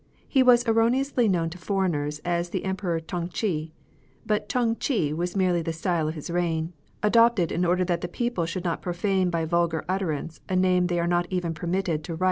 He was erroneously known to foreigners as the Emperor T'ung Chih ; but T ung Chih was merely the style of his reign, adopted in order that the people should not profane by vulgar utterance a name they are not even permitted to write.'"